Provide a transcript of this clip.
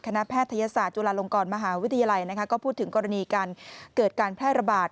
แพทยศาสตร์จุฬาลงกรมหาวิทยาลัยก็พูดถึงกรณีการเกิดการแพร่ระบาด